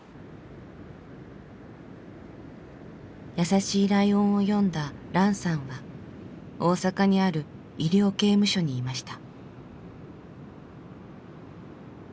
「やさしいライオン」を読んだランさんは大阪にある医療刑務所にいました。